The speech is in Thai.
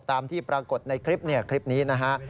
ตามที่ปรากฏในคลิปนี้นะฮะ